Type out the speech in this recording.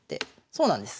そうなんです。